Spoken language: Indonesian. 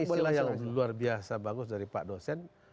ini istilah yang luar biasa bagus dari pak dosen